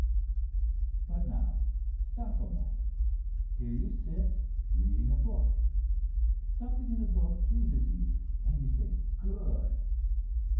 But now, stop a moment. Here you sit reading a book. Something in the book pleases you, and you say, "Good!"